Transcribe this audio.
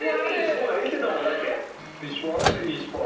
そうだ言うてたもんだって。